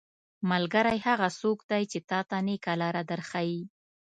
ملګری هغه څوک دی چې تاته نيکه لاره در ښيي.